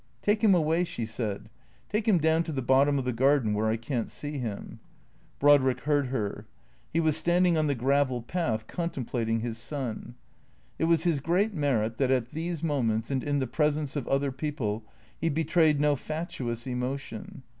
" Take him away," she said. " Take him down to the bottom of the garden, where I can't see him." Brodrick heard her. He was standing on the gravel path, contemplating his son. It was his great merit that at these moments, and in the presence of other people, he betrayed no fatuous emotion.